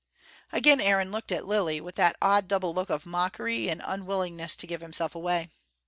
Again Aaron looked at Lilly with that odd double look of mockery and unwillingness to give himself away.